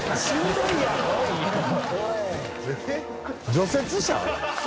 除雪車？